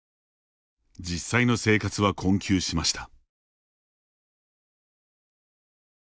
実際の生活は困窮しました。